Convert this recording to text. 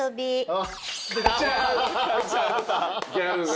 ギャルが。